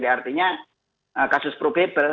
artinya kasus probable